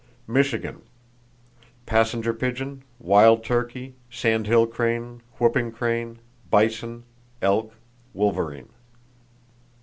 Michigan: Passenger pigeon, wild turkey, sandhill crane, whooping crane, bison, elk, wolverine.